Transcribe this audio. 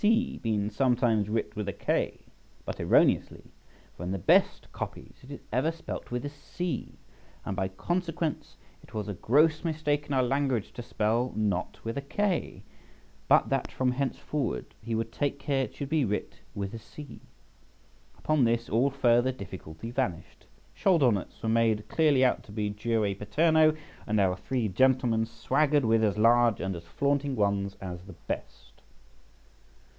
C. been sometimes writ with a K, but erroneously, for in the best copies it is ever spelt with a C; and by consequence it was a gross mistake in our language to spell 'knot' with a K," but that from henceforward he would take care it should be writ with a C. Upon this all further difficulty vanished; shoulder knots were made clearly out to be jure paterno, and our three gentlemen swaggered with as large and as flaunting ones as the best.